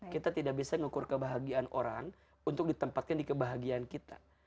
kita tidak bisa mengukur kebahagiaan orang untuk ditempatkan di kebahagiaan kita